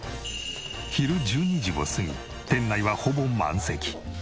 昼１２時を過ぎ店内はほぼ満席。